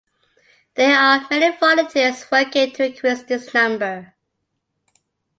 There are many volunteers working to increase this number.